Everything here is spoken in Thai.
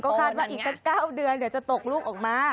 คาดว่าอีกสัก๙เดือนเดี๋ยวจะตกลูกออกมา